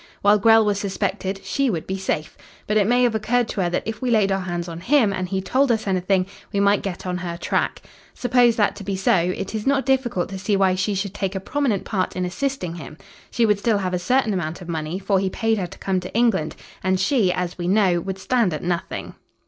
While Grell was suspected she would be safe. But it may have occurred to her that if we laid our hands on him and he told us anything, we might get on her track. Suppose that to be so, it is not difficult to see why she should take a prominent part in assisting him. She would still have a certain amount of money, for he paid her to come to England, and she, as we know, would stand at nothing."